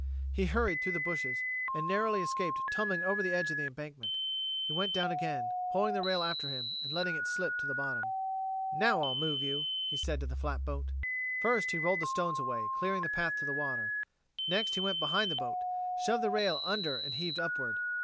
He hurried through the bushes and narrowly escaped tumbling over the edge of the embankment. He went down again, pulling the rail after him and letting it slip to the bottom. "Now I'll move you," he said to the flatboat. First he rolled stones away, clearing the path to the water; next he went behind the boat, shoved the rail under and heaved upward.